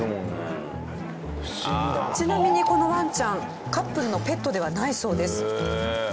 ちなみにこのワンちゃんカップルのペットではないそうです。